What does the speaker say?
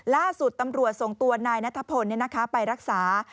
ล่าสุดตำรวจส่งตัวนายนัทพลไปรักษา